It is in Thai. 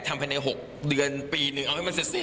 ทำก็คือ๖เดือนปีนึงเอาให้เล่า